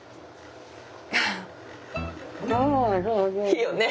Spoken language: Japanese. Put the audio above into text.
いいよね。